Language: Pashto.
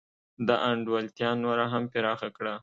نا انډولتیا نوره هم پراخه کړه.